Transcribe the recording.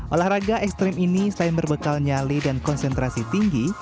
olahraga ekstrim ini selain berbekal nyali dan konsentrasi tinggi